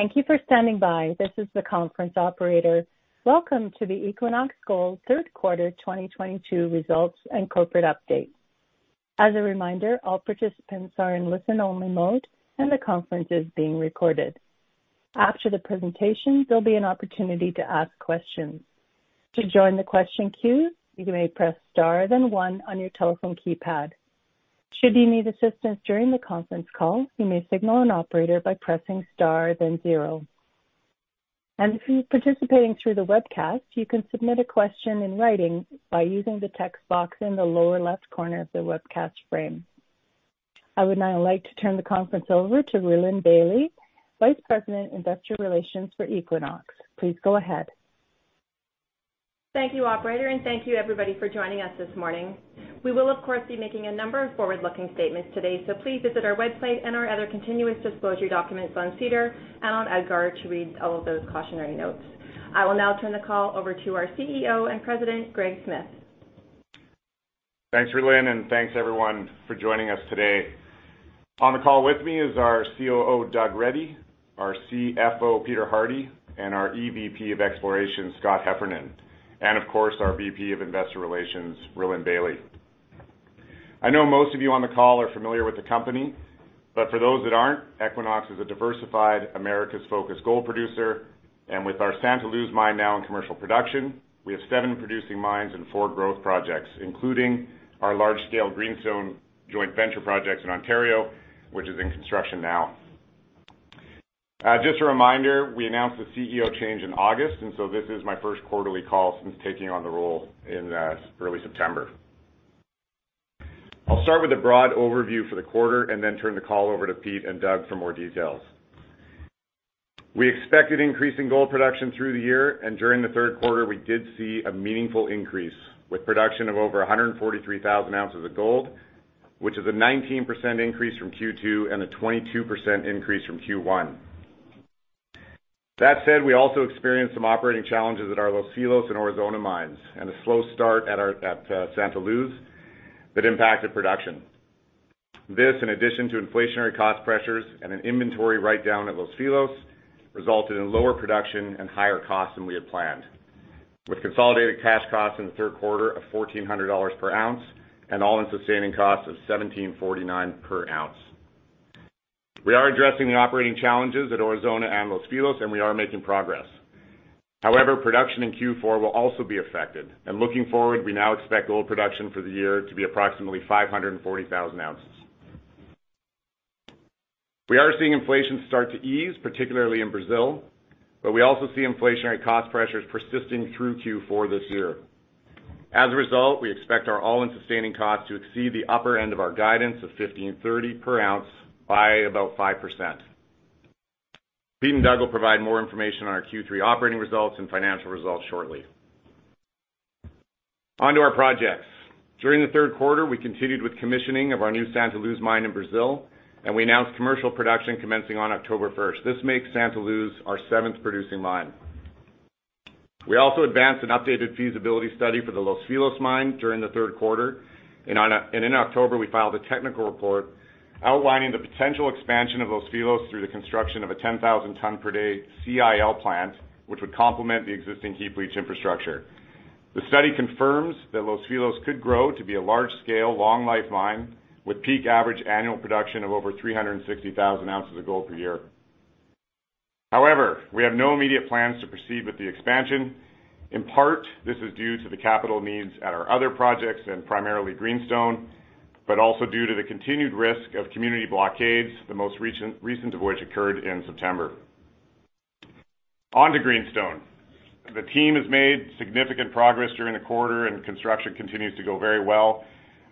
Thank you for standing by. This is the conference operator. Welcome to the Equinox Gold third quarter 2022 results and corporate update. As a reminder, all participants are in listen-only mode, and the conference is being recorded. After the presentation, there'll be an opportunity to ask questions. To join the question queue, you may press star then one on your telephone keypad. Should you need assistance during the conference call, you may signal an operator by pressing star then zero. If you're participating through the webcast, you can submit a question in writing by using the text box in the lower left corner of the webcast frame. I would now like to turn the conference over to Rhylin Bailie, Vice President, Investor Relations for Equinox. Please go ahead. Thank you, operator, and thank you everybody for joining us this morning. We will, of course, be making a number of forward-looking statements today, so please visit our website and our other continuous disclosure documents on SEDAR and on EDGAR to read all of those cautionary notes. I will now turn the call over to our CEO and President, Greg Smith. Thanks, Rhlylin, and thanks everyone for joining us today. On the call with me is our COO, Doug Reddy, our CFO, Peter Hardie, and our EVP of Exploration, Scott Heffernan, and of course, our VP of Investor Relations, Rhylin Baille. I know most of you on the call are familiar with the company, but for those that aren't, Equinox is a diversified, Americas-focused gold producer, and with our Santa Luz mine now in commercial production, we have seven producing mines and four growth projects, including our large-scale Greenstone joint venture projects in Ontario, which is in construction now. Just a reminder, we announced the CEO change in August, and so this is my first quarterly call since taking on the role in early September. I'll start with a broad overview for the quarter and then turn the call over to Pete and Doug for more details. We expected increase in gold production through the year, and during the third quarter, we did see a meaningful increase, with production of over 143,000 ounces of gold, which is a 19% increase from Q2 and a 22% increase from Q1. That said, we also experienced some operating challenges at our Los Filos and Aurizona mines and a slow start at our Santa Luz that impacted production. This, in addition to inflationary cost pressures and an inventory write-down at Los Filos, resulted in lower production and higher costs than we had planned, with consolidated cash costs in the third quarter of $1,400 per ounce and all-in sustaining costs of $1,749 per ounce. We are addressing the operating challenges at Aurizona and Los Filos, and we are making progress. However, production in Q4 will also be affected. Looking forward, we now expect gold production for the year to be approximately 540,000 ounces. We are seeing inflation start to ease, particularly in Brazil, but we also see inflationary cost pressures persisting through Q4 this year. As a result, we expect our all-in sustaining costs to exceed the upper end of our guidance of $1,530 per ounce by about 5%. Pete and Doug will provide more information on our Q3 operating results and financial results shortly. Onto our projects. During the third quarter, we continued with commissioning of our new Santa Luz mine in Brazil, and we announced commercial production commencing on October 1st. This makes Santa Luz our seventh producing mine. We also advanced an updated feasibility study for the Los Filos mine during the third quarter. In October, we filed a technical report outlining the potential expansion of Los Filos through the construction of a 10,000 ton per day CIL plant, which would complement the existing heap leach infrastructure. The study confirms that Los Filos could grow to be a large-scale, long-life mine with peak average annual production of over 360,000 ounces of gold per year. However, we have no immediate plans to proceed with the expansion. In part, this is due to the capital needs at our other projects and primarily Greenstone, but also due to the continued risk of community blockades, the most recent of which occurred in September. On to Greenstone. The team has made significant progress during the quarter, and construction continues to go very well.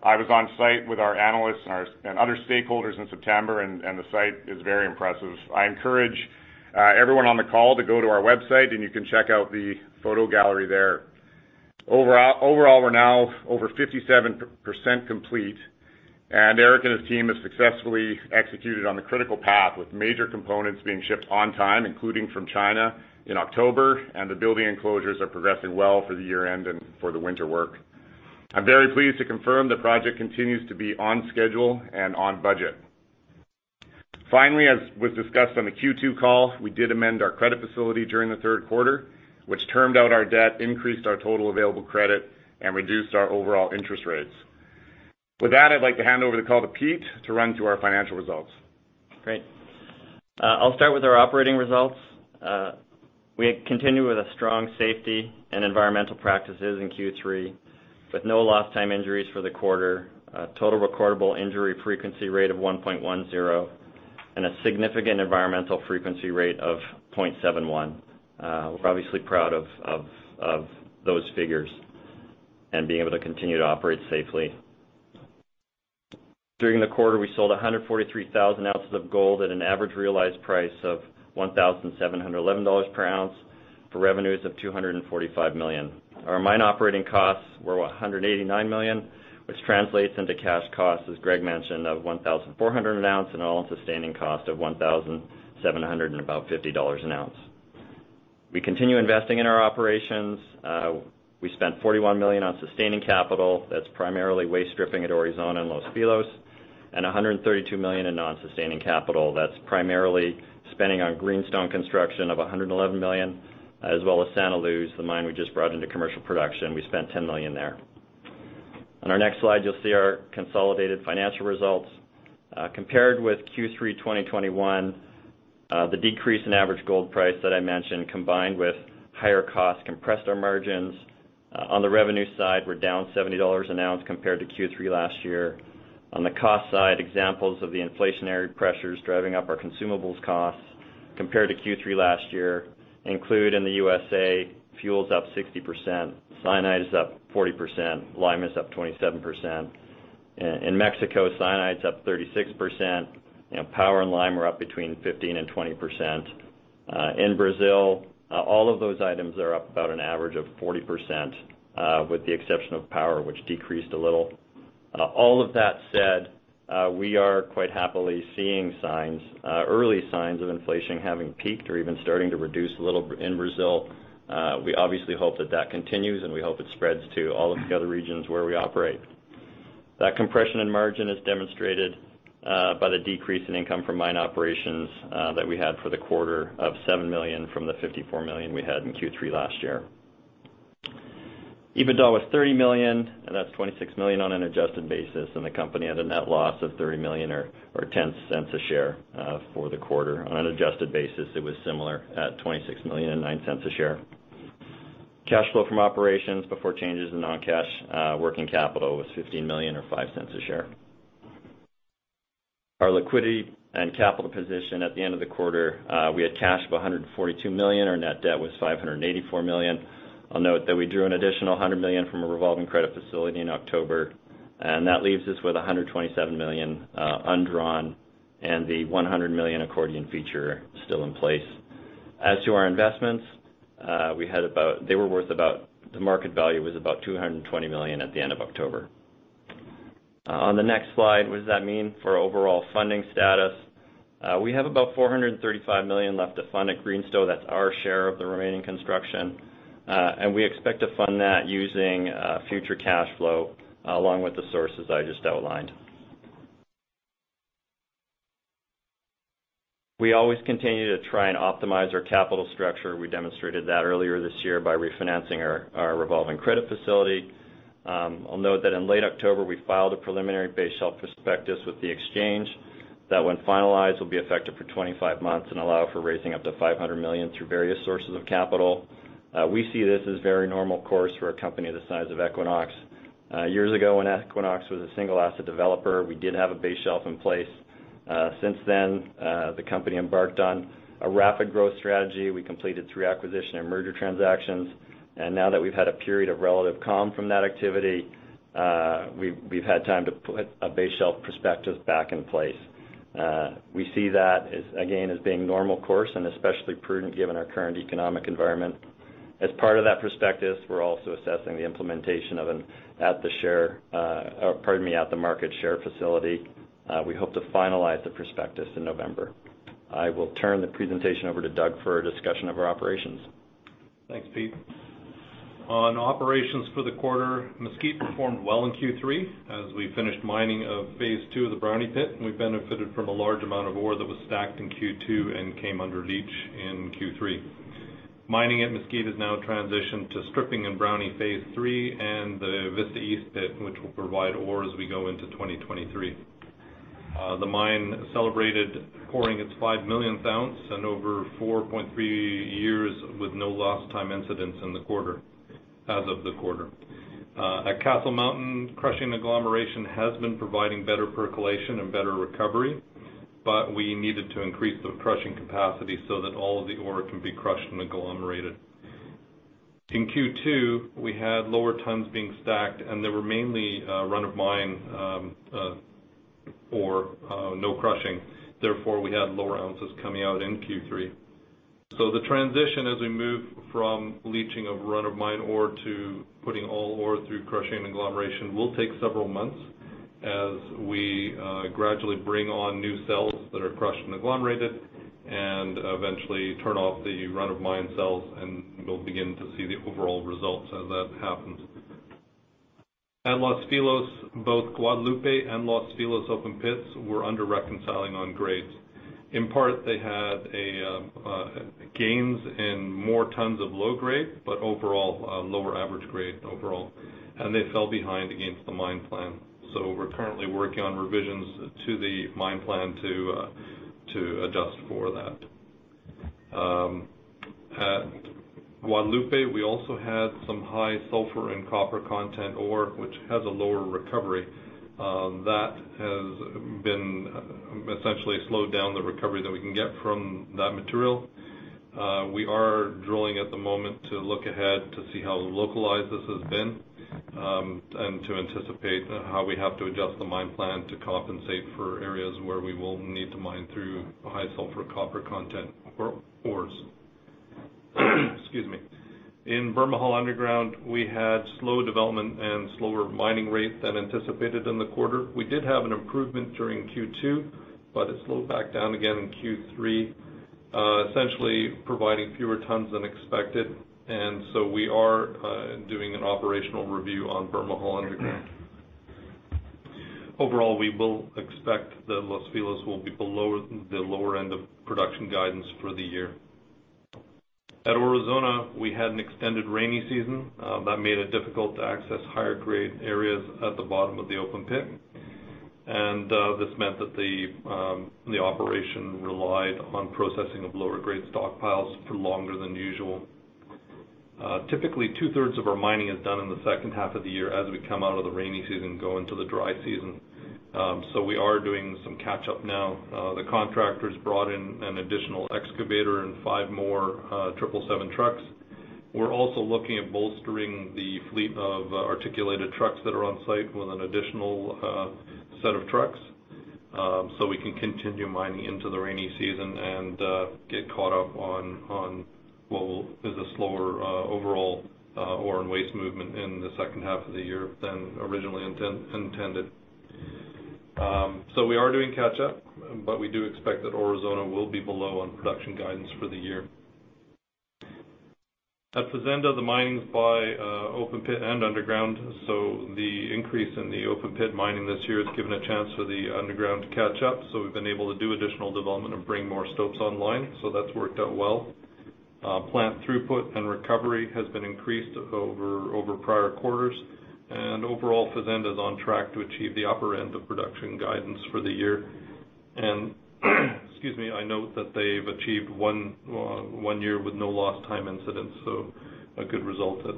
I was on site with our analysts and other stakeholders in September, the site is very impressive. I encourage everyone on the call to go to our website, and you can check out the photo gallery there. Overall, we're now over 57% complete, and Eric and his team have successfully executed on the critical path, with major components being shipped on time, including from China in October, and the building enclosures are progressing well for the year-end and for the winter work. I'm very pleased to confirm the project continues to be on schedule and on budget. Finally, as was discussed on the Q2 call, we did amend our credit facility during the third quarter, which termed out our debt, increased our total available credit, and reduced our overall interest rates. With that, I'd like to hand over the call to Pete to run through our financial results. Great. I'll start with our operating results. We had continued with a strong safety and environmental practices in Q3, with no lost time injuries for the quarter, a total recordable injury frequency rate of 1.10, and a significant environmental frequency rate of 0.71. We're obviously proud of those figures and being able to continue to operate safely. During the quarter, we sold 143,000 ounces of gold at an average realized price of $1,711 per ounce for revenues of $245 million. Our mine operating costs were $189 million, which translates into cash costs, as Greg mentioned, of $1,400 an ounce and all-in sustaining cost of $1,750 an ounce. We continue investing in our operations. We spent $41 million on sustaining capital. That's primarily waste stripping at Aurizona and Los Filos, and $132 million in non-sustaining capital. That's primarily spending on Greenstone construction of $111 million, as well as Santa Luz, the mine we just brought into commercial production. We spent $10 million there. On our next slide, you'll see our consolidated financial results. Compared with Q3 2021, the decrease in average gold price that I mentioned, combined with higher costs, compressed our margins. On the revenue side, we're down $70 an ounce compared to Q3 last year. On the cost side, examples of the inflationary pressures driving up our consumables costs compared to Q3 last year include, in the U.S., fuel's up 60%, cyanide is up 40%, lime is up 27%. In Mexico, cyanide's up 36%. You know, power and lime are up between 15% and 20%. In Brazil, all of those items are up about an average of 40%, with the exception of power, which decreased a little. All of that said, we are quite happily seeing signs, early signs of inflation having peaked or even starting to reduce a little in Brazil. We obviously hope that that continues, and we hope it spreads to all of the other regions where we operate. That compression in margin is demonstrated by the decrease in income from mine operations that we had for the quarter of $7 million from the $54 million we had in Q3 last year. EBITDA was $30 million, and that's $26 million on an adjusted basis, and the company had a net loss of $30 million or $0.10 per share for the quarter. On an adjusted basis, it was similar at $26 million and $0.09 per share. Cash flow from operations before changes in non-cash working capital was $15 million or $0.05 per share. Our liquidity and capital position at the end of the quarter, we had cash of $142 million. Our net debt was $584 million. I'll note that we drew an additional $100 million from a revolving credit facility in October, and that leaves us with $127 million undrawn, and the $100 million accordion feature still in place. As to our investments, we had about. They were worth about, the market value was about $220 million at the end of October. On the next slide, what does that mean for overall funding status? We have about $435 million left to fund at Greenstone. That's our share of the remaining construction. We expect to fund that using future cash flow along with the sources I just outlined. We always continue to try and optimize our capital structure. We demonstrated that earlier this year by refinancing our revolving credit facility. I'll note that in late October, we filed a preliminary base shelf prospectus with the exchange that, when finalized, will be effective for 25 months and allow for raising up to $500 million through various sources of capital. We see this as very normal course for a company the size of Equinox. Years ago, when Equinox was a single asset developer, we did have a base shelf in place. Since then, the company embarked on a rapid growth strategy. We completed three acquisition and merger transactions. Now that we've had a period of relative calm from that activity, we've had time to put a base shelf prospectus back in place. We see that as, again, as being normal course and especially prudent given our current economic environment. As part of that prospectus, we're also assessing the implementation of an at-the-market share facility. We hope to finalize the prospectus in November. I will turn the presentation over to Doug for a discussion of our operations. Thanks, Pete. On operations for the quarter, Mesquite performed well in Q3 as we finished mining of phase two of the Brownie Pit, and we benefited from a large amount of ore that was stacked in Q2 and came under leach in Q3. Mining at Mesquite has now transitioned to stripping in Brownie phase III and the Vista East Pit, which will provide ore as we go into 2023. The mine celebrated pouring its 5 million ounce in over 4.3 years with no lost time incidents in the quarter, as of the quarter. At Castle Mountain, crushing agglomeration has been providing better percolation and better recovery, but we needed to increase the crushing capacity so that all of the ore can be crushed and agglomerated. In Q2, we had lower tons being stacked, and they were mainly run-of-mine ore, no crushing, therefore, we had lower ounces coming out in Q3. The transition as we move from leaching of run-of-mine ore to putting all ore through crushing and agglomeration will take several months as we gradually bring on new cells that are crushed and agglomerated and eventually turn off the run-of-mine cells, and we'll begin to see the overall results as that happens. At Los Filos, both Guadalupe and Los Filos open pits were under-reconciling on grades. In part, they had a gain in more tons of low grade, but overall, lower average grade overall, and they fell behind against the mine plan. We're currently working on revisions to the mine plan to adjust for that. At Guadalupe, we also had some high sulfur and copper content ore, which has a lower recovery that has been essentially slowed down the recovery that we can get from that material. We are drilling at the moment to look ahead to see how localized this has been, and to anticipate how we have to adjust the mine plan to compensate for areas where we will need to mine through high sulfur copper content ores. Excuse me. In Bermejal Underground, we had slow development and slower mining rate than anticipated in the quarter. We did have an improvement during Q2, but it slowed back down again in Q3, essentially providing fewer tons than expected. We are doing an operational review on Bermejal Underground. Overall, we will expect that Los Filos will be below the lower end of production guidance for the year. At Aurizona, we had an extended rainy season that made it difficult to access higher grade areas at the bottom of the open pit. This meant that the operation relied on processing of lower grade stockpiles for longer than usual. Typically, 2/3 of our mining is done in the second half of the year as we come out of the rainy season, go into the dry season. We are doing some catch up now. The contractors brought in an additional excavator and five more triple seven trucks. We're also looking at bolstering the fleet of articulated trucks that are on site with an additional set of trucks so we can continue mining into the rainy season and get caught up on what will. It's a slower overall ore and waste movement in the second half of the year than originally intended. We are doing catch up, but we do expect that Aurizona will be below on production guidance for the year. At Fazenda, the mining's by open pit and underground. The increase in the open pit mining this year has given a chance for the underground to catch up. We've been able to do additional development and bring more stopes online. That's worked out well. Plant throughput and recovery has been increased over prior quarters. Overall, Fazenda is on track to achieve the upper end of production guidance for the year. Excuse me, I note that they've achieved one year with no lost time incidents, so a good result at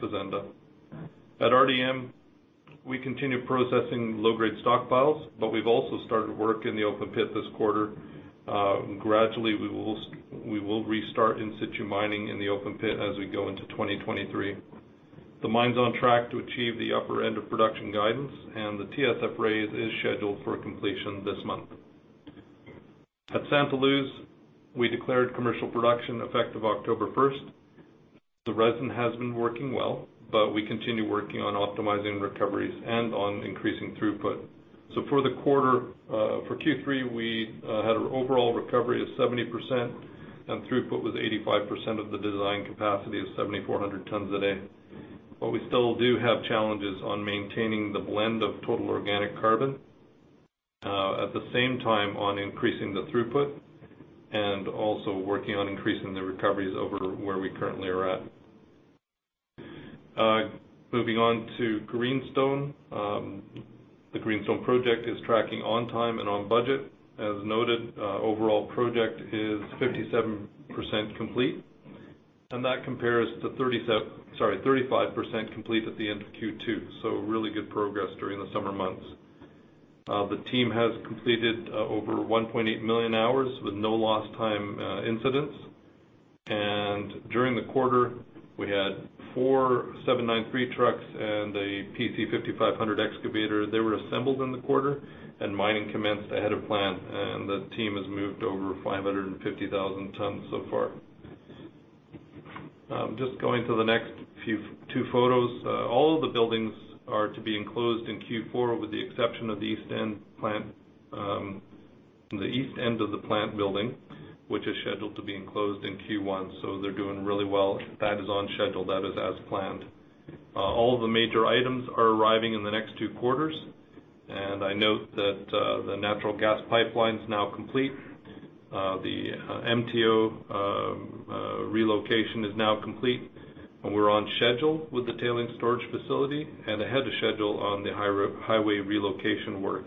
Fazenda. At RDM, we continue processing low grade stockpiles, but we've also started work in the open pit this quarter. Gradually, we will restart in-situ mining in the open pit as we go into 2023. The mine's on track to achieve the upper end of production guidance, and the TSF raise is scheduled for completion this month. At Santa Luz, we declared commercial production effective October 1st. The resin has been working well, but we continue working on optimizing recoveries and on increasing throughput. For the quarter, for Q3, we had an overall recovery of 70%, and throughput was 85% of the design capacity of 7,400 tons a day. We still do have challenges on maintaining the blend of total organic carbon at the same time on increasing the throughput, and also working on increasing the recoveries over where we currently are at. Moving on to Greenstone. The Greenstone project is tracking on time and on budget. As noted, overall project is 57% complete, and that compares to 35% complete at the end of Q2. Really good progress during the summer months. The team has completed over 1.8 million hours with no lost time incidents. During the quarter, we had 4793 trucks and a PC5500 excavator. They were assembled in the quarter and mining commenced ahead of plan, and the team has moved over 550,000 tons so far. Just going to the next two photos. All of the buildings are to be enclosed in Q4 with the exception of the east end plant, the east end of the plant building, which is scheduled to be enclosed in Q1. They're doing really well. That is on schedule. That is as planned. All the major items are arriving in the next two quarters, and I note that, the natural gas pipeline's now complete. The MTO relocation is now complete, and we're on schedule with the tailings storage facility and ahead of schedule on the highway relocation work.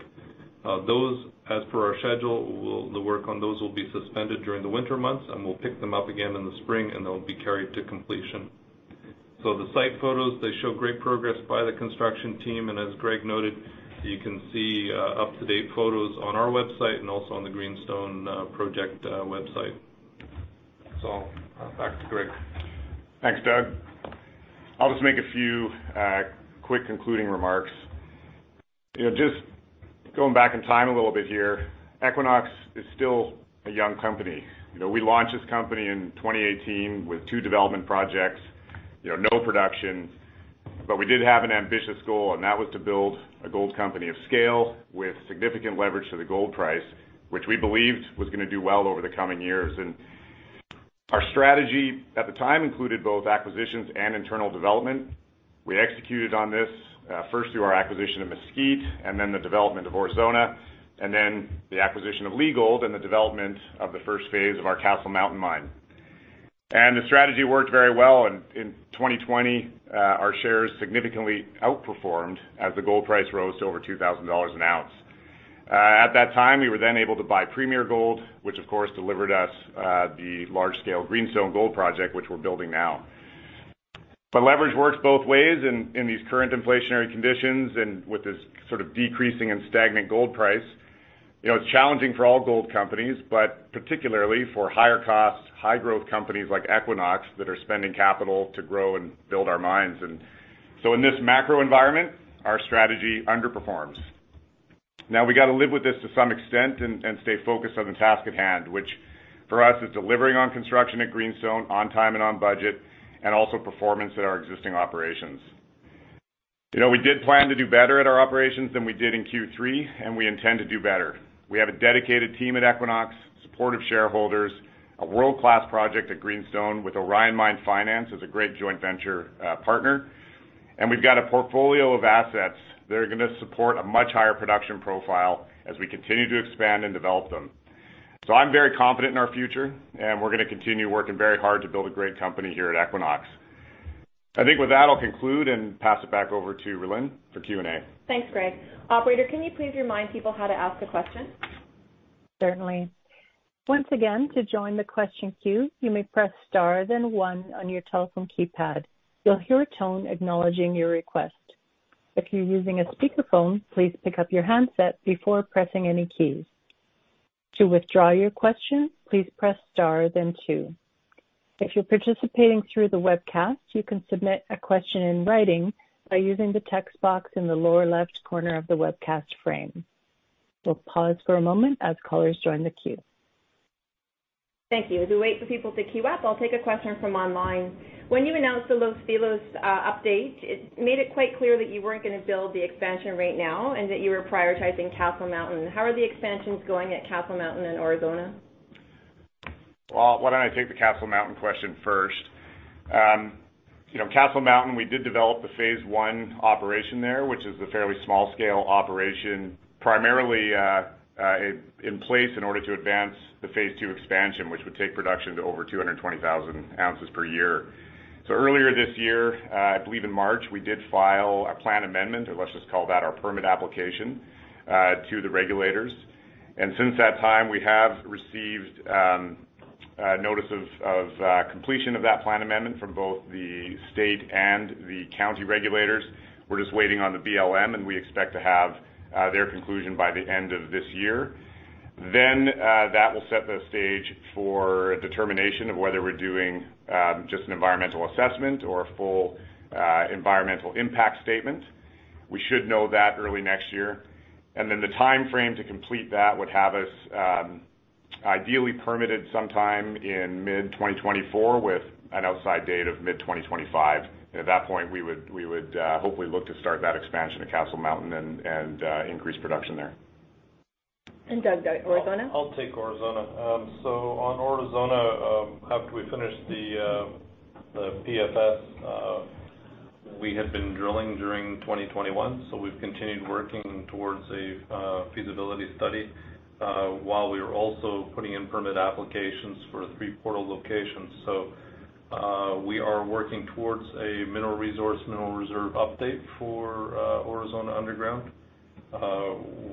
Those, as per our schedule, the work on those will be suspended during the winter months, and we'll pick them up again in the spring, and they'll be carried to completion. The site photos, they show great progress by the construction team. As Greg noted, you can see up-to-date photos on our website and also on the Greenstone project website. Back to Greg. Thanks, Doug. I'll just make a few quick concluding remarks. You know, just going back in time a little bit here, Equinox is still a young company. You know, we launched this company in 2018 with two development projects, you know, no production. We did have an ambitious goal, and that was to build a gold company of scale with significant leverage to the gold price, which we believed was gonna do well over the coming years. Our strategy at the time included both acquisitions and internal development. We executed on this first through our acquisition of Mesquite, and then the development of Aurizona, and then the acquisition of Leagold, and the development of the first phase of our Castle Mountain mine. The strategy worked very well. In 2020, our shares significantly outperformed as the gold price rose to over $2,000 an ounce. At that time, we were then able to buy Premier Gold, which of course delivered us the large scale Greenstone Gold project, which we're building now. Leverage works both ways in these current inflationary conditions and with this sort of decreasing and stagnant gold price. You know, it's challenging for all gold companies, but particularly for higher cost, high growth companies like Equinox that are spending capital to grow and build our mines. In this macroenvironment, our strategy underperforms. Now we got to live with this to some extent and stay focused on the task at hand, which for us is delivering on construction at Greenstone on time and on budget, and also performance at our existing operations. You know, we did plan to do better at our operations than we did in Q3, and we intend to do better. We have a dedicated team at Equinox, supportive shareholders, a world-class project at Greenstone with Orion Mine Finance as a great joint venture partner. We've got a portfolio of assets that are gonna support a much higher production profile as we continue to expand and develop them. I'm very confident in our future, and we're gonna continue working very hard to build a great company here at Equinox. I think with that, I'll conclude and pass it back over to Rhylin for Q&A. Thanks, Greg. Operator, can you please remind people how to ask a question? Certainly. Once again, to join the question queue, you may press star then one on your telephone keypad. You'll hear a tone acknowledging your request. If you're using a speakerphone, please pick up your handset before pressing any keys. To withdraw your question, please press star then two. If you're participating through the webcast, you can submit a question in writing by using the text box in the lower left corner of the webcast frame. We'll pause for a moment as callers join the queue. Thank you. As we wait for people to queue up, I'll take a question from online. When you announced the Los Filos update, it made it quite clear that you weren't gonna build the expansion right now and that you were prioritizing Castle Mountain. How are the expansions going at Castle Mountain and Aurizona? Well, why don't I take the Castle Mountain question first? You know, Castle Mountain, we did develop the phase I operation there, which is a fairly small scale operation, primarily in place in order to advance the phase II expansion, which would take production to over 220,000 ounces per year. Earlier this year, I believe in March, we did file a plan amendment, or let's just call that our permit application, to the regulators. Since that time, we have received a notice of completion of that plan amendment from both the state and the county regulators. We're just waiting on the BLM, and we expect to have their conclusion by the end of this year. That will set the stage for determination of whether we're doing just an environmental assessment or a full environmental impact statement. We should know that early next year. The timeframe to complete that would have us ideally permitted sometime in mid-2024 with an outside date of mid-2025. At that point, we would hopefully look to start that expansion of Castle Mountain and increase production there. Doug, Aurizona? I'll take Aurizona. On Aurizona, after we finish the PFS, we had been drilling during 2021, so we've continued working towards a feasibility study, while we were also putting in permit applications for three portal locations. We are working towards a mineral resource, mineral reserve update for Aurizona underground.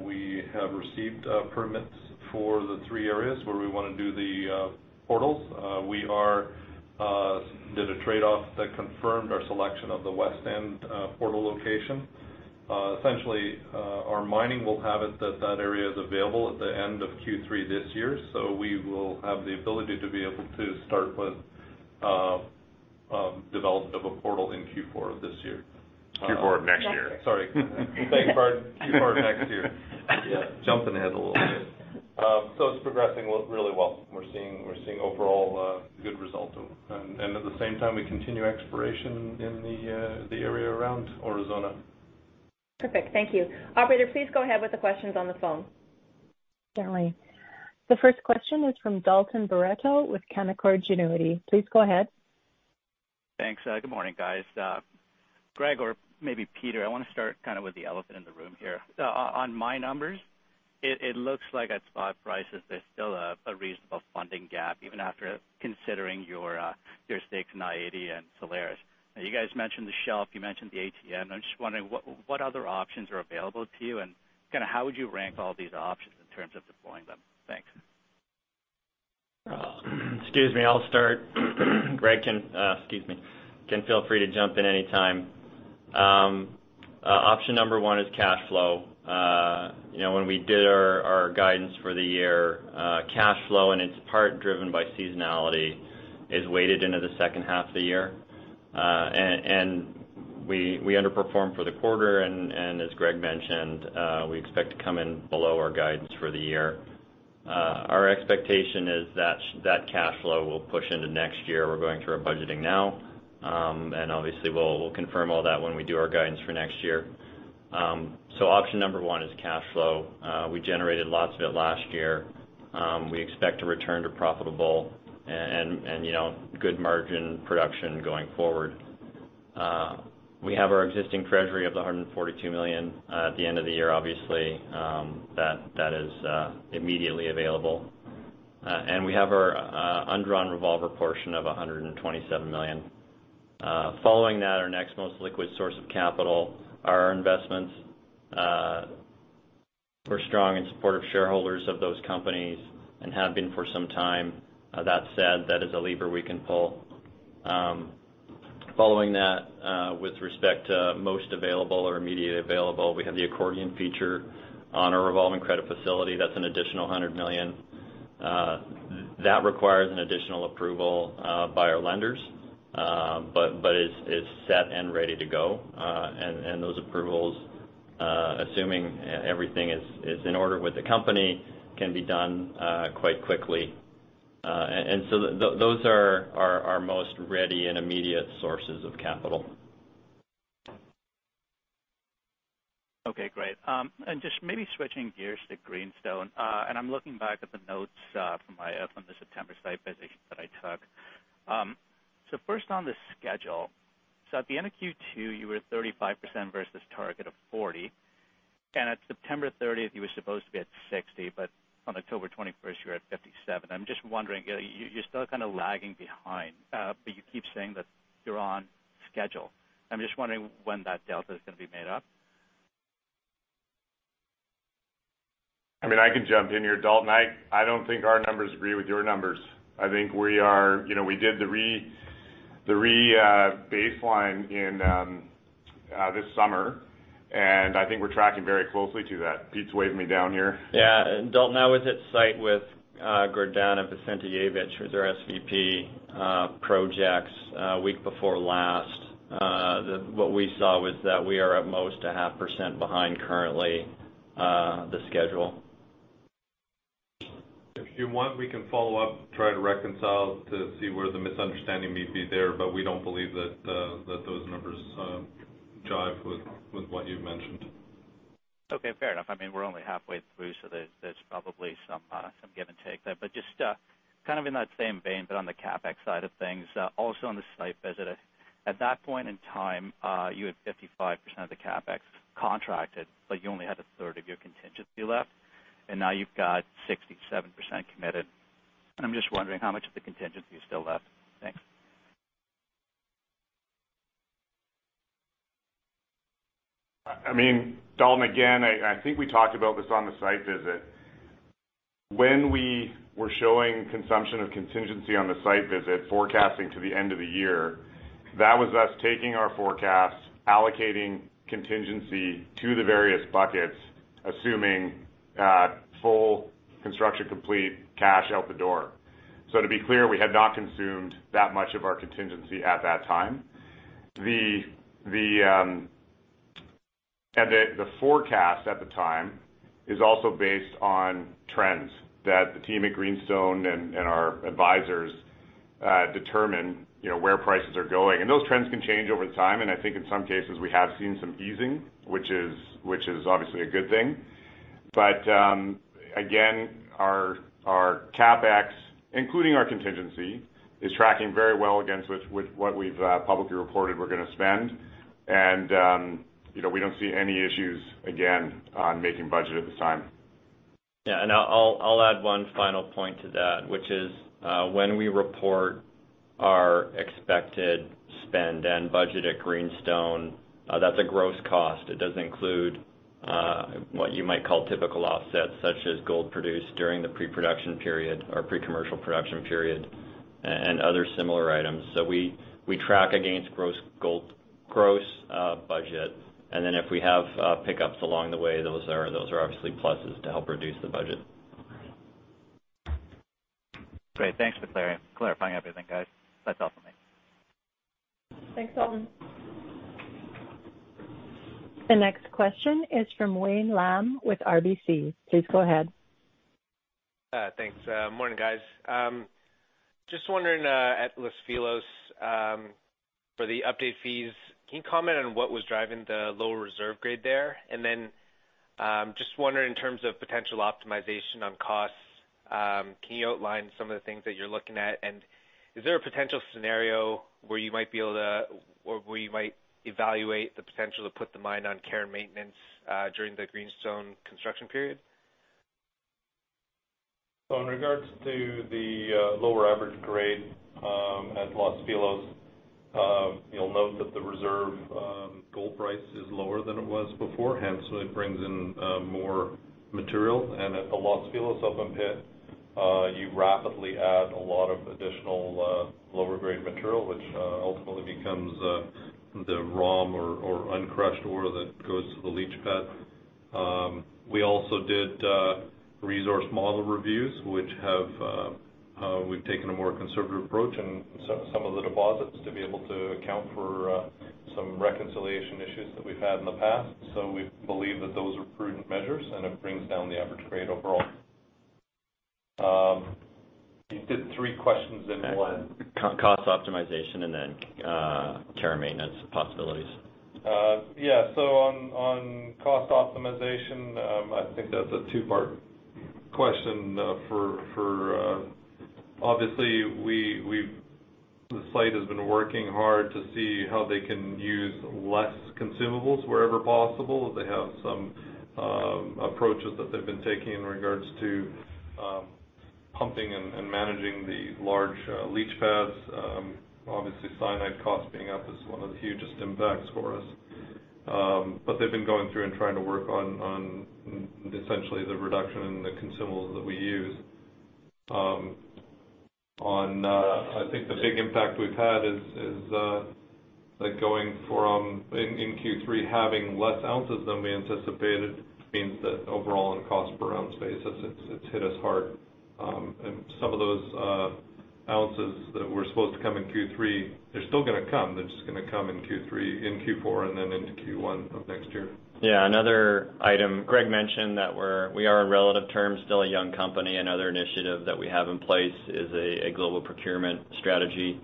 We have received permits for the three areas where we wanna do the portals. We did a trade-off that confirmed our selection of the west end portal location. Essentially, our mining will have it that area is available at the end of Q3 this year. We will have the ability to be able to start with development of a portal in Q4 this year. Q4 of next year. Sorry. Beg your pardon. Q4 of next year. Yeah. Jumping ahead a little bit. It's progressing well, really well. We're seeing overall good results. At the same time, we continue exploration in the area around Aurizona. Perfect. Thank you. Operator, please go ahead with the questions on the phone. Certainly. The first question is from Dalton Baretto with Canaccord Genuity. Please go ahead. Thanks. Good morning, guys. Greg or maybe Peter, I wanna start kind of with the elephant in the room here. On my numbers, it looks like at spot prices, there's still a reasonable funding gap even after considering your stakes in i-80 and Solaris. Now you guys mentioned the shelf, you mentioned the ATM. I'm just wondering what other options are available to you? Kinda how would you rank all these options in terms of deploying them? Thanks. Excuse me, I'll start. Greg can feel free to jump in anytime. Option number one is cash flow. You know, when we did our guidance for the year, cash flow, and it's part driven by seasonality, is weighted into the second half of the year. We underperformed for the quarter, and as Greg mentioned, we expect to come in below our guidance for the year. Our expectation is that cash flow will push into next year. We're going through our budgeting now. Obviously, we'll confirm all that when we do our guidance for next year. Option number one is cash flow. We generated lots of it last year. We expect to return to profitable and, you know, good margin production going forward. We have our existing treasury of $142 million at the end of the year, obviously, that is immediately available. We have our undrawn revolver portion of $127 million. Following that, our next most liquid source of capital are our investments. We're strong and supportive shareholders of those companies and have been for some time. That said, that is a lever we can pull. Following that, with respect to most available or immediately available, we have the accordion feature on our revolving credit facility. That's an additional $100 million. That requires an additional approval by our lenders, but is set and ready to go. Those approvals, assuming everything is in order with the company, can be done quite quickly. Those are our most ready and immediate sources of capital. Okay, great. And just maybe switching gears to Greenstone. I'm looking back at the notes from the September site visit that I took. First on the schedule. At the end of Q2, you were at 35% versus target of 40%. At September 30th, you were supposed to be at 60%, but on October 21st, you were at 57%. I'm just wondering, you're still kind of lagging behind, but you keep saying that you're on schedule. I'm just wondering when that delta is gonna be made up. I mean, I can jump in here, Dalton. I don't think our numbers agree with your numbers. I think we are, you know, we did the re-baseline in this summer, and I think we're tracking very closely to that. Pete's waving me down here. Yeah. Dalton, I was at site with Gordana Vicentijevic, who's our SVP, projects, week before last. What we saw was that we are at most 0.5% behind currently, the schedule. If you want, we can follow up, try to reconcile to see where the misunderstanding may be there, but we don't believe that those numbers jive with what you've mentioned. Okay. Fair enough. I mean, we're only halfway through, so there's probably some give and take there. But just kind of in that same vein, but on the CapEx side of things, also on the site visit, at that point in time, you had 55% of the CapEx contracted, but you only had 1/3 of your contingency left, and now you've got 67% committed. I'm just wondering how much of the contingency is still left. Thanks. I mean, Dalton, again, I think we talked about this on the site visit. When we were showing consumption of contingency on the site visit forecasting to the end of the year, that was us taking our forecast, allocating contingency to the various buckets, assuming full construction complete cash out the door. To be clear, we had not consumed that much of our contingency at that time. The forecast at the time is also based on trends that the team at Greenstone and our advisors determine, you know, where prices are going. Those trends can change over time, and I think in some cases we have seen some easing, which is obviously a good thing. Again, our CapEx, including our contingency, is tracking very well against what we've publicly reported we're gonna spend. You know, we don't see any issues, again, on making budget at this time. Yeah, I'll add one final point to that, which is, when we report our expected spend and budget at Greenstone, that's a gross cost. It does include what you might call typical offsets, such as gold produced during the pre-production period or pre-commercial production period and other similar items. We track against gross gold, gross budget, and then if we have pickups along the way, those are obviously pluses to help reduce the budget. Great. Thanks for clarifying everything, guys. That's all for me. Thanks, Dalton. The next question is from Wayne Lam with RBC. Please go ahead. Thanks. Morning, guys. Just wondering, at Los Filos, for the updated FS, can you comment on what was driving the lower reserve grade there? Just wondering in terms of potential optimization on costs, can you outline some of the things that you're looking at? Is there a potential scenario where you might be able to or where you might evaluate the potential to put the mine on care and maintenance during the Greenstone construction period? In regards to the lower average grade at Los Filos, you'll note that the reserve gold price is lower than it was beforehand, so it brings in more material. At the Los Filos open pit, you rapidly add a lot of additional lower grade material, which ultimately becomes the ROM or uncrushed ore that goes to the leach pad. We also did resource model reviews, which we've taken a more conservative approach in some of the deposits to be able to account for some reconciliation issues that we've had in the past. We believe that those are prudent measures, and it brings down the average grade overall. You did three questions in one. Cost optimization and then care and maintenance possibilities. Yeah. On cost optimization, I think that's a two-part question. Obviously, the site has been working hard to see how they can use less consumables wherever possible. They have some approaches that they've been taking in regards to pumping and managing the large leach pads. Obviously, cyanide costs being up is one of the hugest impacts for us. They've been going through and trying to work on essentially the reduction in the consumables that we use. I think the big impact we've had is like going from in Q3, having less ounces than we anticipated means that overall on cost per ounce basis, it's hit us hard. Some of those ounces that were supposed to come in Q3, they're still gonna come. They're just gonna come in Q4 and then into Q1 of next year. Yeah. Another item, Greg mentioned that we are in relative terms still a young company, and another initiative that we have in place is a global procurement strategy.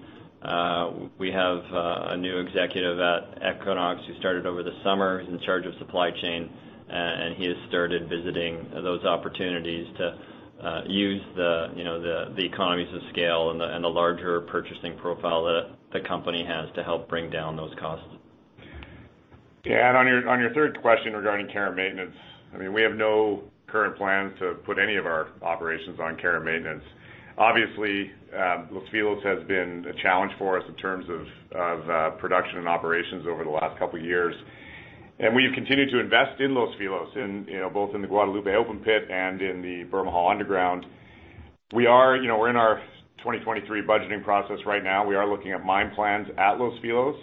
We have a new executive at Equinox who started over the summer. He's in charge of supply chain, and he has started visiting those opportunities to use the, you know, the economies of scale and the larger purchasing profile that the company has to help bring down those costs. Yeah. On your third question regarding care and maintenance, I mean, we have no current plans to put any of our operations on care and maintenance. Obviously, Los Filos has been a challenge for us in terms of production and operations over the last couple of years. We've continued to invest in Los Filos, you know, both in the Guadalupe open pit and in the Bermejal underground. You know, we're in our 2023 budgeting process right now. We are looking at mine plans at Los Filos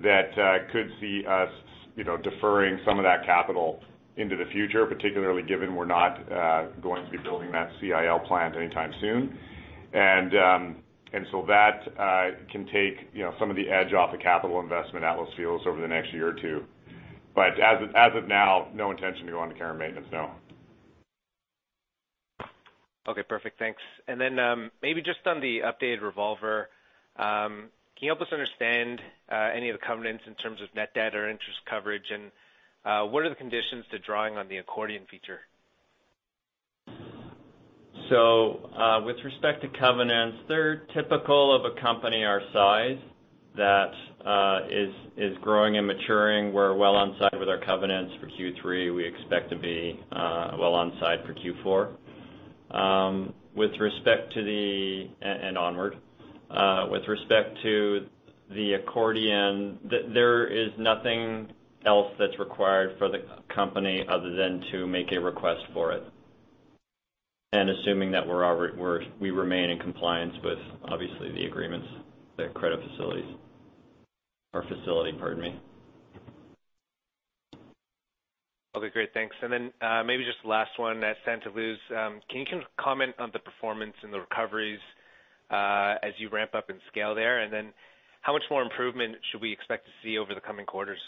that could see us, you know, deferring some of that capital into the future, particularly given we're not going to be building that CIL plant anytime soon. that can take, you know, some of the edge off the capital investment at Los Filos over the next year or two. As of now, no intention to go onto care and maintenance, no. Okay. Perfect. Thanks. Maybe just on the updated revolver, can you help us understand any of the covenants in terms of net debt or interest coverage, and what are the conditions to drawing on the accordion feature? With respect to covenants, they're typical of a company our size that is growing and maturing. We're well inside with our covenants for Q3. We expect to be well inside for Q4. With respect to the accordion, there is nothing else that's required for the company other than to make a request for it. Assuming that we remain in compliance with, obviously, the agreements, the credit facilities or facility, pardon me. Okay, great. Thanks. Maybe just last one. At Santa Luz, can you comment on the performance and the recoveries, as you ramp up and scale there? How much more improvement should we expect to see over the coming quarters?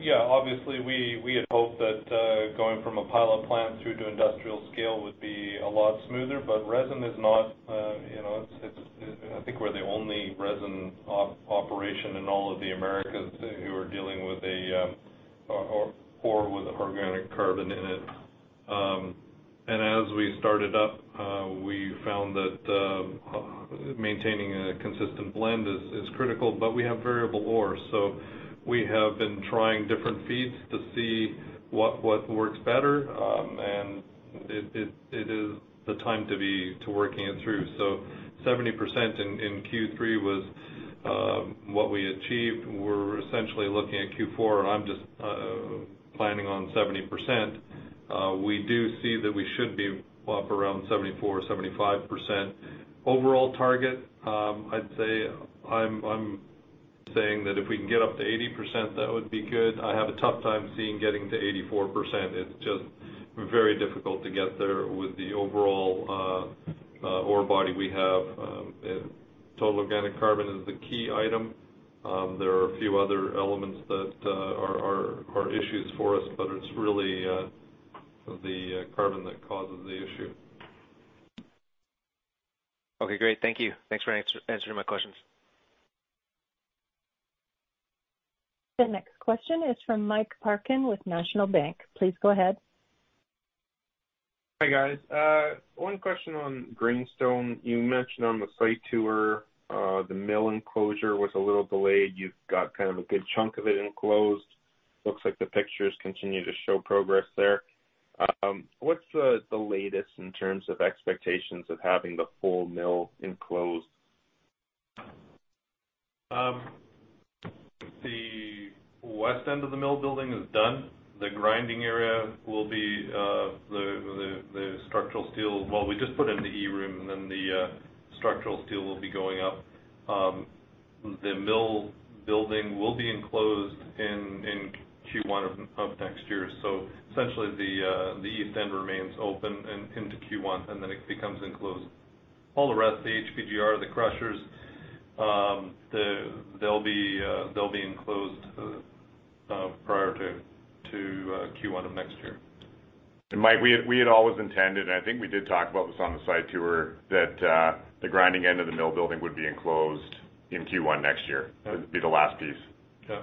Yeah, obviously, we had hoped that going from a pilot plant through to industrial scale would be a lot smoother, but resin is not, it's, I think we're the only resin operation in all of the Americas who are dealing with an ore with organic carbon in it. As we started up, we found that maintaining a consistent blend is critical, but we have variable ore. We have been trying different feeds to see what works better. It is the time to be working it through. 70% in Q3 was what we achieved. We're essentially looking at Q4, and I'm just planning on 70%. We do see that we should be up around 74%-75%. Overall target, I'd say I'm saying that if we can get up to 80%, that would be good. I have a tough time seeing getting to 84%. It's just very difficult to get there with the overall ore body we have. Total Organic Carbon is the key item. There are a few other elements that are issues for us, but it's really the carbon that causes the issue. Okay, great. Thank you. Thanks for answering my questions. The next question is from Mike Parkin with National Bank. Please go ahead. Hi, guys. One question on Greenstone. You mentioned on the site tour, the mill enclosure was a little delayed. You've got kind of a good chunk of it enclosed. Looks like the pictures continue to show progress there. What's the latest in terms of expectations of having the full mill enclosed? The west end of the mill building is done. The grinding area will be the structural steel. Well, we just put in the e-room, and then the structural steel will be going up. The mill building will be enclosed in Q1 of next year. Essentially, the east end remains open into Q1, and then it becomes enclosed. All the rest, the HPGR, the crushers, they'll be enclosed prior to Q1 of next year. Mike, we had always intended, and I think we did talk about this on the site tour, that the grinding end of the mill building would be enclosed in Q1 next year. It would be the last piece. Yeah.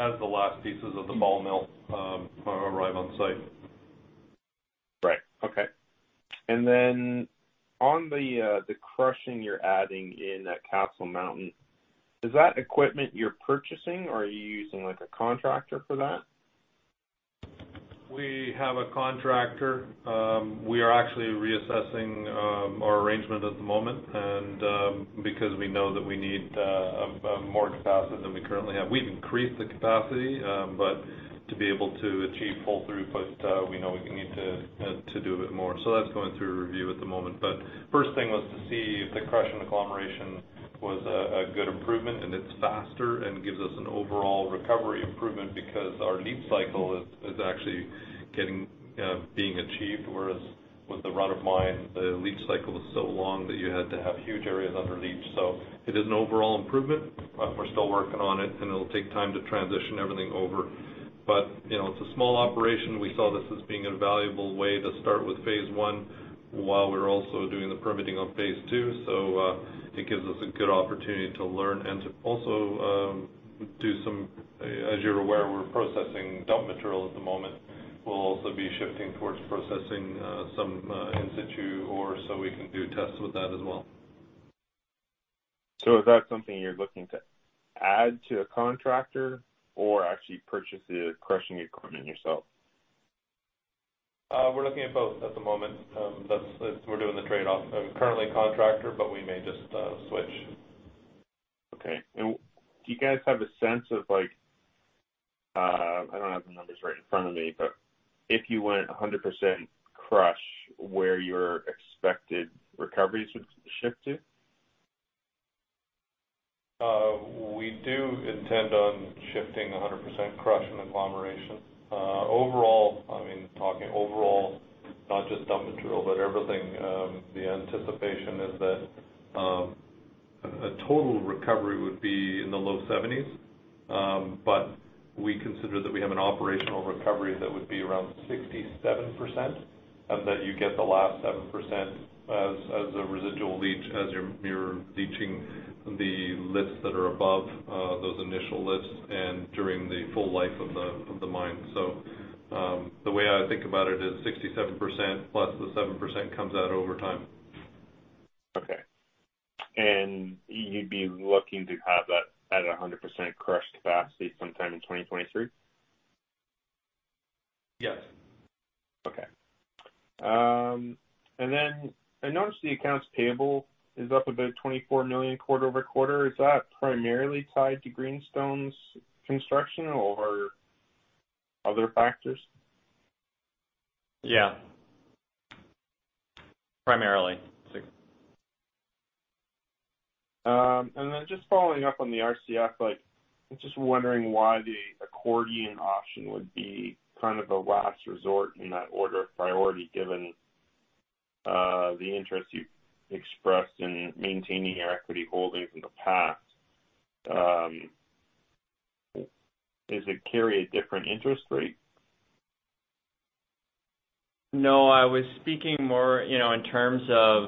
As the last pieces of the ball mill arrive on site. Right. Okay. On the crushing you're adding in at Castle Mountain, is that equipment you're purchasing or are you using like a contractor for that? We have a contractor. We are actually reassessing our arrangement at the moment, and because we know that we need more capacity than we currently have. We've increased the capacity, but to be able to achieve full throughput, we know we need to do a bit more. That's going through a review at the moment. First thing was to see if the crush and agglomeration was a good improvement, and it's faster and gives us an overall recovery improvement because our leach cycle is actually being achieved, whereas with the run of mine, the leach cycle was so long that you had to have huge areas under leach. It is an overall improvement, but we're still working on it and it'll take time to transition everything over. You know, it's a small operation. We saw this as being a valuable way to start with phase I while we're also doing the permitting on phase II. It gives us a good opportunity to learn and to also. As you're aware, we're processing dump material at the moment. We'll also be shifting towards processing some in-situ ore, so we can do tests with that as well. Is that something you're looking to add to a contractor or actually purchase the crushing equipment yourself? We're looking at both at the moment. That's it. We're doing the trade-off. Currently contractor, but we may just switch. Okay. Do you guys have a sense of like, I don't have the numbers right in front of me, but if you went 100% crush where your expected recoveries would shift to? We do intend on shifting 100% crush and agglomeration. Overall, I mean, talking overall, not just dump material, but everything, the anticipation is that a total recovery would be in the low 70s. But we consider that we have an operational recovery that would be around 67%, and that you get the last 7% as a residual leach as you're leaching the lifts that are above those initial lifts and during the full life of the mine. The way I think about it is 67%+ the 7% comes out over time. Okay. You'd be looking to have that at 100% crush capacity sometime in 2023? Yes. Okay. I noticed the accounts payable is up about $24 million quarter-over-quarter. Is that primarily tied to Greenstone's construction or other factors? Yeah. Primarily. Just following up on the RCF, like, I'm just wondering why the accordion option would be kind of a last resort in that order of priority given the interest you expressed in maintaining your equity holdings in the past. Does it carry a different interest rate? No, I was speaking more, you know, in terms of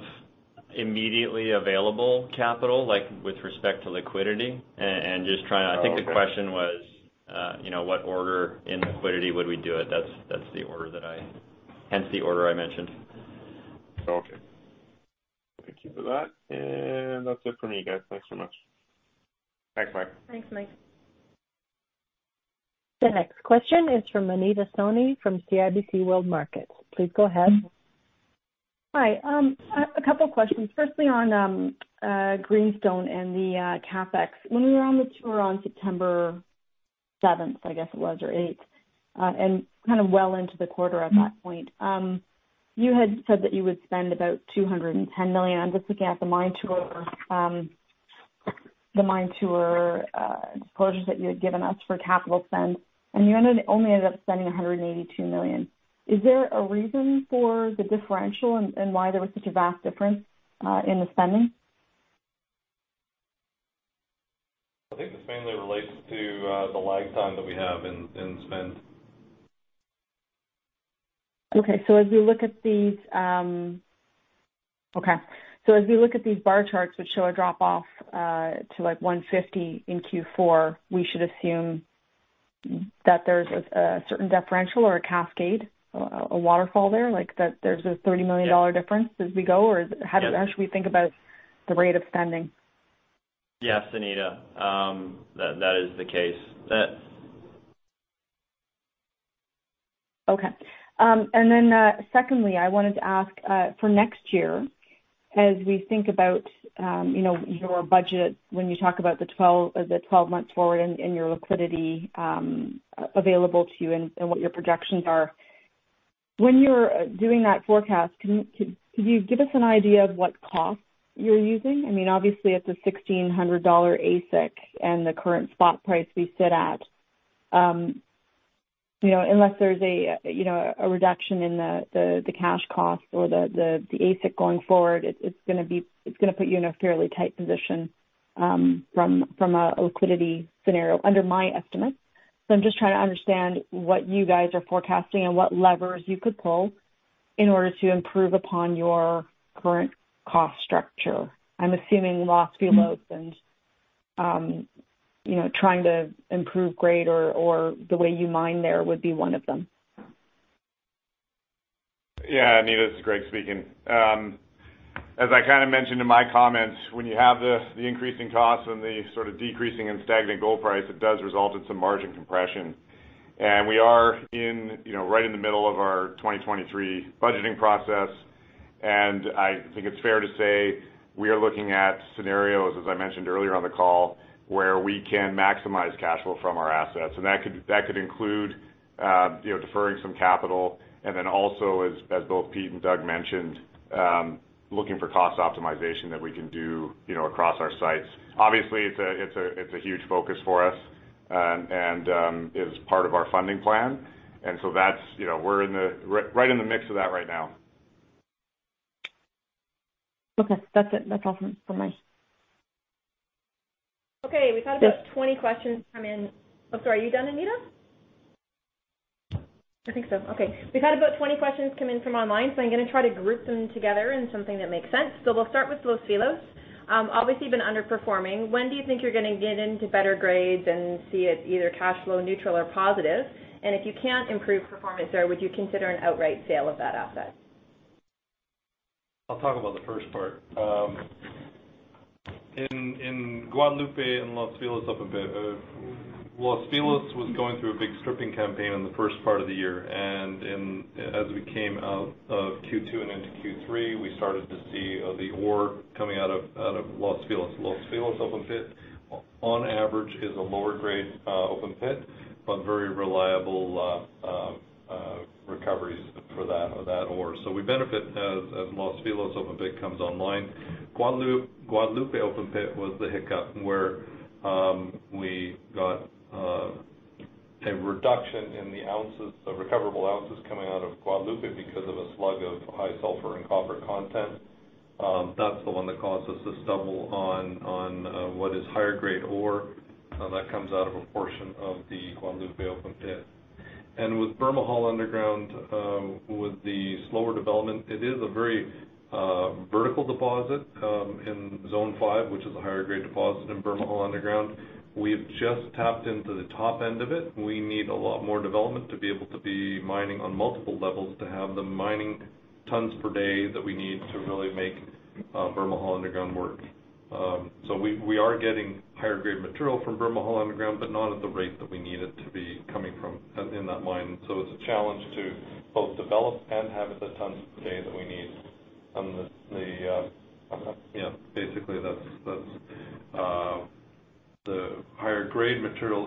immediately available capital, like with respect to liquidity and just trying to. Oh, okay. I think the question was, you know, what order in liquidity would we do it? Hence, the order I mentioned. Okay. Thank you for that. That's it for me, guys. Thanks so much. Thanks, Mike. Thanks, Mike. The next question is from Anita Soni from CIBC World Markets. Please go ahead. Hi. A couple of questions, firstly on Greenstone and the CapEx. When we were on the tour on September 7th, I guess it was, or 8th, and kind of well into the quarter at that point, you had said that you would spend about $210 million. I'm just looking at the mine tour closures that you had given us for capital spend, and you only ended up spending $182 million. Is there a reason for the differential and why there was such a vast difference in the spending? I think this mainly relates to the lag time that we have in spend. Okay. As we look at these bar charts, which show a drop off to like 150 in Q4, we should assume that there's a certain differential or a cascade, a waterfall there, like that there's a $30 million difference as we go? Or how do- Yeah. How should we think about the rate of spending? Yes, Anita. That is the case. Okay. Then, secondly, I wanted to ask for next year, as we think about, you know, your budget when you talk about the 12 months forward and your liquidity available to you and what your projections are. When you're doing that forecast, could you give us an idea of what costs you're using? I mean, obviously, it's a $1,600 AISC and the current spot price we sit at. You know, unless there's a reduction in the cash costs or the AISC going forward, it's gonna put you in a fairly tight position from a liquidity scenario under my estimate. I'm just trying to understand what you guys are forecasting and what levers you could pull in order to improve upon your current cost structure. I'm assuming Los Filos and, you know, trying to improve grade or the way you mine there would be one of them. Yeah, Anita, this is Greg speaking. As I kind of mentioned in my comments, when you have the increasing costs and the sort of decreasing and stagnant gold price, it does result in some margin compression. We are in, you know, right in the middle of our 2023 budgeting process. I think it's fair to say we are looking at scenarios, as I mentioned earlier on the call, where we can maximize cash flow from our assets. That could include, you know, deferring some capital and then also as both Pete and Doug mentioned, looking for cost optimization that we can do, you know, across our sites. Obviously, it's a huge focus for us and is part of our funding plan. That's, you know, we're right in the mix of that right now. Okay. That's it. That's all from my. Okay. We've had about 20 questions come in. I'm sorry, are you done, Anita? I think so. Okay. We've had about 20 questions come in from online, so I'm gonna try to group them together in something that makes sense. We'll start with Los Filos. Obviously, you've been underperforming. When do you think you're gonna get into better grades and see it either cash flow neutral or positive? And if you can't improve performance there, would you consider an outright sale of that asset? I'll talk about the first part. In Guadalupe and Los Filos open pit, Los Filos was going through a big stripping campaign in the first part of the year. As we came out of Q2 and into Q3, we started to see the ore coming out of Los Filos. Los Filos open pit, on average, is a lower grade open pit, but very reliable recoveries for that ore. We benefit as Los Filos open pit comes online. Guadalupe open pit was the hiccup where we got a reduction in the ounces, the recoverable ounces coming out of Guadalupe because of a slug of high sulfur and copper content. That's the one that caused us to stumble on what is higher grade ore that comes out of a portion of the Guadalupe open pit. With Bermejal underground, with the slower development, it is a very vertical deposit in zone five, which is a higher grade deposit in Bermejal underground. We've just tapped into the top end of it. We need a lot more development to be able to be mining on multiple levels to have the mining tons per day that we need to really make Bermejal underground work. We are getting higher grade material from Bermejal underground, but not at the rate that we need it to be coming from in that mine. It's a challenge to both develop and have the tons per day that we need on the. Yeah, basically, that's the higher grade material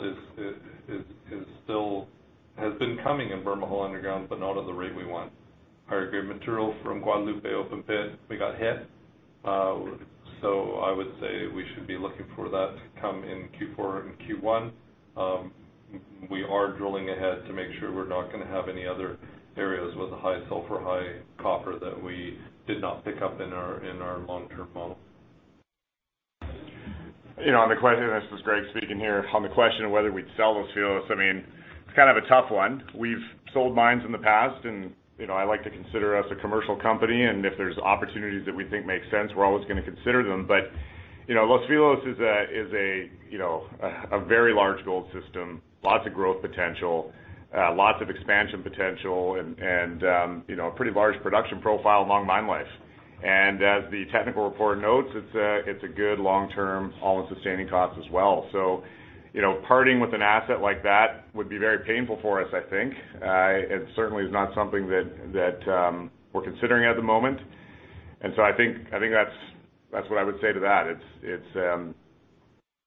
has been coming in Bermejal underground, but not at the rate we want. Higher grade material from Guadalupe open pit, we got hit. I would say we should be looking for that to come in Q4 and Q1. We are drilling ahead to make sure we're not gonna have any other areas with a high sulfur, high copper that we did not pick up in our long-term model. You know, on the question, this is Greg speaking here. On the question of whether we'd sell Los Filos, I mean, it's kind of a tough one. We've sold mines in the past, and you know, I like to consider us a commercial company. If there's opportunities that we think make sense, we're always gonna consider them. You know, Los Filos is a very large gold system, lots of growth potential, lots of expansion potential and you know, a pretty large production profile and long mine life. As the technical report notes, it's a good long term all in sustaining cost as well. You know, parting with an asset like that would be very painful for us, I think. It certainly is not something that we're considering at the moment. I think that's what I would say to that. It's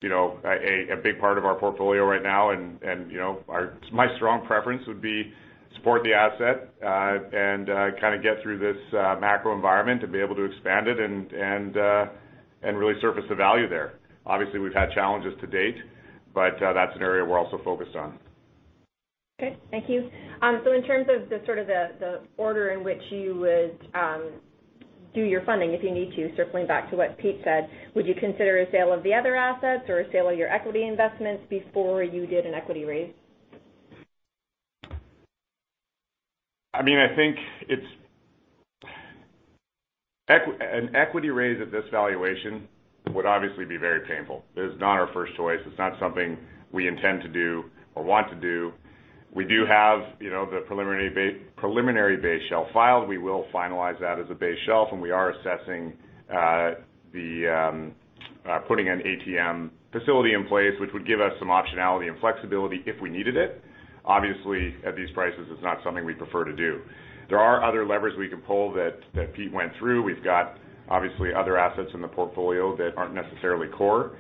you know a big part of our portfolio right now and you know. My strong preference would be to support the asset and kinda get through this macroenvironment to be able to expand it and really surface the value there. Obviously, we've had challenges to date, but that's an area we're also focused on. Okay, thank you. In terms of, sort of, the order in which you would do your funding if you need to, circling back to what Pete said, would you consider a sale of the other assets or a sale of your equity investments before you did an equity raise? I mean, I think it's an equity raise at this valuation would obviously be very painful. It is not our first choice. It's not something we intend to do or want to do. We do have, you know, the preliminary base shelf filed. We will finalize that as a base shelf, and we are assessing putting an ATM facility in place, which would give us some optionality and flexibility if we needed it. Obviously, at these prices, it's not something we prefer to do. There are other levers we can pull that Pete went through. We've got, obviously, other assets in the portfolio that aren't necessarily core.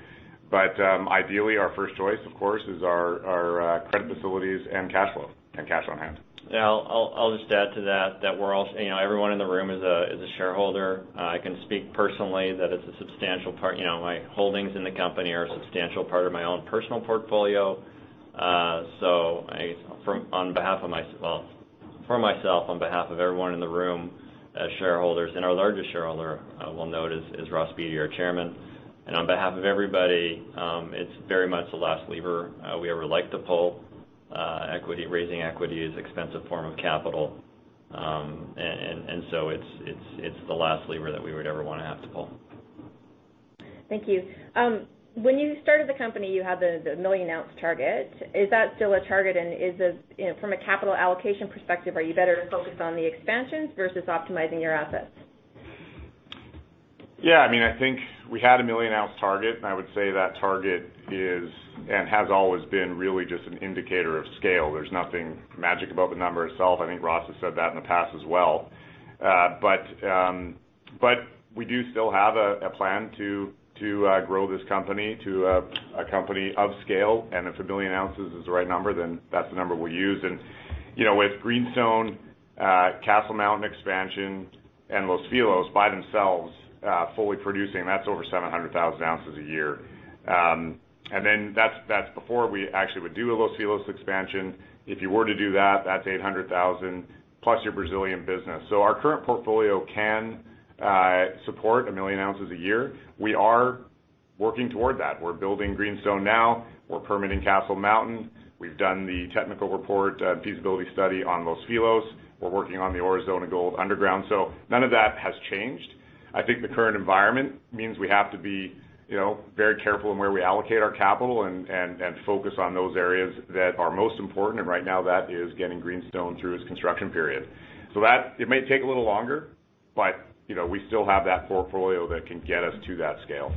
But, ideally, our first choice, of course, is our credit facilities and cash flow and cash on hand. Yeah, I'll just add to that we're also. You know, everyone in the room is a shareholder. I can speak personally that it's a substantial part. You know, my holdings in the company are a substantial part of my own personal portfolio. Well, for myself, on behalf of everyone in the room as shareholders, and our largest shareholder, we'll note is Ross Beaty, our Chairman. On behalf of everybody, it's very much the last lever we ever like to pull. Raising equity is an expensive form of capital. It's the last lever that we would ever wanna have to pull. Thank you. When you started the company, you had the million ounce target. Is that still a target, and is it? You know, from a capital allocation perspective, are you better focused on the expansions versus optimizing your assets? Yeah. I mean, I think we had a million ounce target, and I would say that target is and has always been really just an indicator of scale. There's nothing magic about the number itself. I think Ross has said that in the past as well. We do still have a plan to grow this company to a company of scale. If a million ounces is the right number, then that's the number we'll use. You know, with Greenstone, Castle Mountain expansion, and Los Filos by themselves, fully producing, that's over 700,000 ounces a year. That's before we actually would do a Los Filos expansion. If you were to do that's 800,000, plus your Brazilian business. Our current portfolio can support a million ounces a year. We are working toward that. We're building Greenstone now. We're permitting Castle Mountain. We've done the technical report, feasibility study on Los Filos. We're working on the Aurizona gold underground. None of that has changed. I think the current environment means we have to be very careful in where we allocate our capital and focus on those areas that are most important. Right now, that is getting Greenstone through its construction period. That it may take a little longer, but you know, we still have that portfolio that can get us to that scale.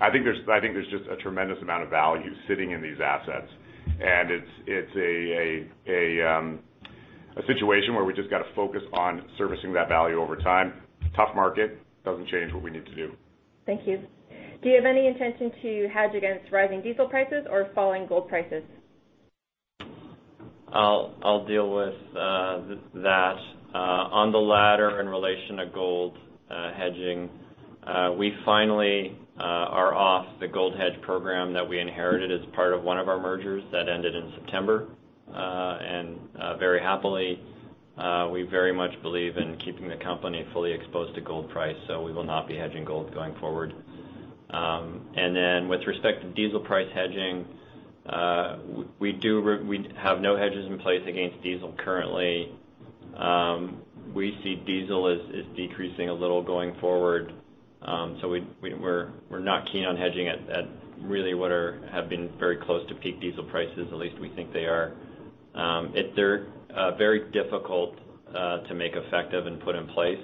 I think there's just a tremendous amount of value sitting in these assets. It's a situation where we just gotta focus on servicing that value over time. Tough market doesn't change what we need to do. Thank you. Do you have any intention to hedge against rising diesel prices or falling gold prices? I'll deal with that. On the latter, in relation to gold hedging, we finally are off the gold hedge program that we inherited as part of one of our mergers. That ended in September. Very happily, we very much believe in keeping the company fully exposed to gold price, so we will not be hedging gold going forward. With respect to diesel price hedging, we have no hedges in place against diesel currently. We see diesel as decreasing a little going forward, so we're not keen on hedging at really what have been very close to peak diesel prices, at least we think they are. They're very difficult to make effective and put in place.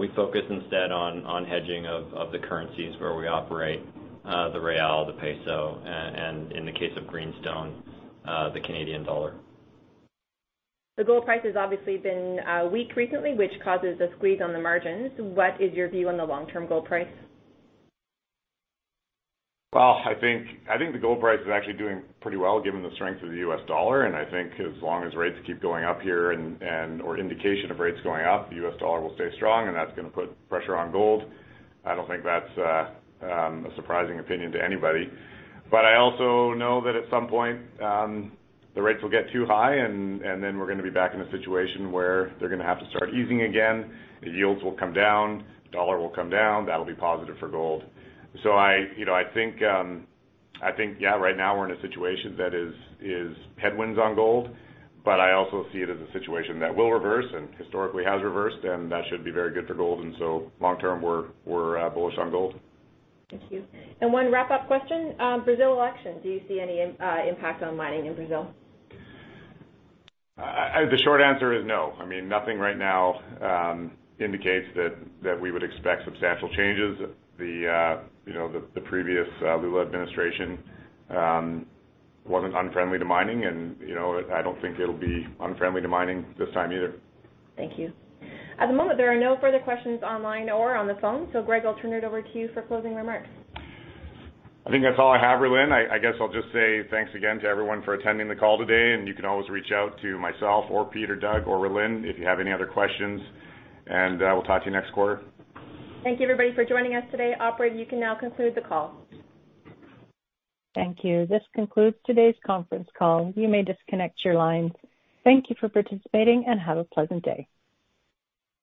We focus instead on hedging of the currencies where we operate, the real, the peso, and in the case of Greenstone, the Canadian dollar. The gold price has obviously been weak recently, which causes a squeeze on the margins. What is your view on the long-term gold price? I think the gold price is actually doing pretty well given the strength of the U.S. dollar. I think as long as rates keep going up here and/or indication of rates going up, the U.S. dollar will stay strong, and that's gonna put pressure on gold. I don't think that's a surprising opinion to anybody. I also know that at some point, the rates will get too high and then we're gonna be back in a situation where they're gonna have to start easing again, the yields will come down, dollar will come down, that'll be positive for gold. I, you know, I think yeah, right now we're in a situation that is headwinds on gold, but I also see it as a situation that will reverse and historically has reversed, and that should be very good for gold. Long term, we're bullish on gold. Thank you. One wrap-up question. Brazil election. Do you see any impact on mining in Brazil? The short answer is no. I mean, nothing right now indicates that we would expect substantial changes. You know, the previous Lula administration wasn't unfriendly to mining and, you know, I don't think it'll be unfriendly to mining this time either. Thank you. At the moment, there are no further questions online or on the phone. Greg, I'll turn it over to you for closing remarks. I think that's all I have, Rhylin. I guess I'll just say thanks again to everyone for attending the call today, and you can always reach out to myself or Peter, Doug or Rhylin if you have any other questions. We'll talk to you next quarter. Thank you, everybody, for joining us today. Operator, you can now conclude the call. Thank you. This concludes today's conference call. You may disconnect your lines. Thank you for participating and have a pleasant day.